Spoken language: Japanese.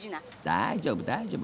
大丈夫大丈夫。